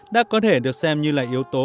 đã có thể được xem như là yếu tố